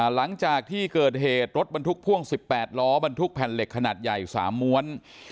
หลังจากที่เกิดเหตุรถบรรทุกพ่วง๑๘ล้อบรรทุกแผ่นเหล็กขนาดใหญ่๓ม้วน